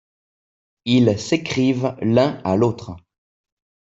Ils s'écrivent l'un à l'autre.